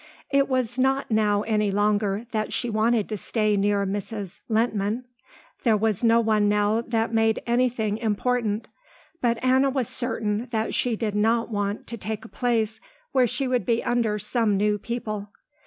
It was not now any longer that she wanted to stay near Mrs. Lehntman. There was no one now that made anything important, but Anna was certain that she did not want to take a place where she would be under some new people.